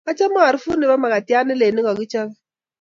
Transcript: Achame arufut nebo makatiat ne lel nekakichobe